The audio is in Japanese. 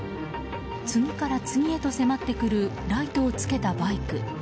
次から次へと迫ってくるライトをつけたバイク。